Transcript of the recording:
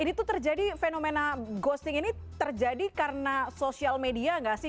ini tuh terjadi fenomena ghosting ini terjadi karena sosial media nggak sih